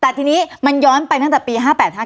แต่ทีนี้มันย้อนไปตั้งแต่ปี๕๘๕